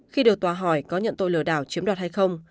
khi được tòa hỏi có nhận tội lừa đảo chiếm đoạt hay không